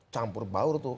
campur baur tuh